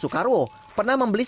rupiah dia berapa ada berapa